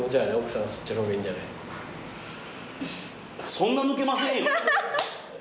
そんな抜けませんよ。